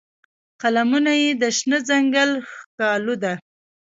قدمونه یې د شنه ځنګل ښکالو ده